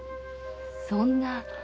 そんな。